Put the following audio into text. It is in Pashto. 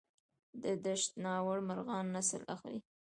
د دشت ناور مرغان نسل اخلي؟